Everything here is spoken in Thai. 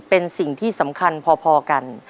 เป็นสิ่งที่สำคัญพอกัน